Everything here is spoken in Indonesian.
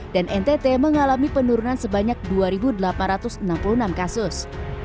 dan ntt mengalami penurunan sebanyak dua delapan ratus enam puluh enam kasus